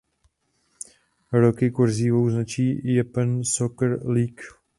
Roky "kurzívou" značí Japan Soccer League.